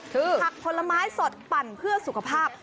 คือผักผลไม้สดปั่นเพื่อสุขภาพ